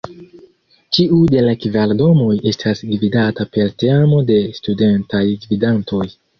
Ĉiu de la kvar domoj estas gvidata per teamo de Studentaj Gvidantoj.